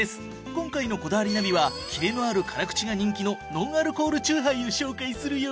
今回の『こだわりナビ』はキレのある辛口が人気のノンアルコールチューハイを紹介するよ。